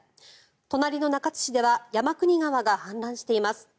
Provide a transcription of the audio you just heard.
隣の中津市では山国川が氾濫しています。